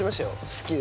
好きで。